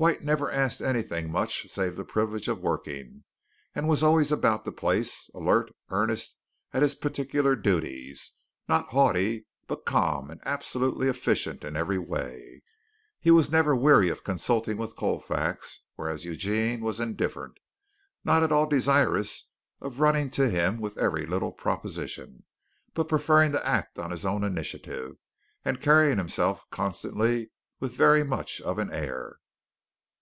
White never asked anything much save the privilege of working, and was always about the place, alert, earnest at his particular duties, not haughty, but calm and absolutely efficient in every way. He was never weary of consulting with Colfax, whereas Eugene was indifferent, not at all desirous of running to him with every little proposition, but preferring to act on his own initiative, and carrying himself constantly with very much of an air.